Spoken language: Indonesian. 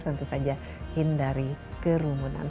tentu saja hindari kerumunan